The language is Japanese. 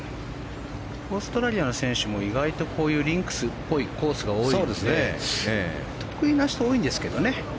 オーストラリアの選手も意外とリンクスっぽいコースが多いので得意な人が多いんですけどね。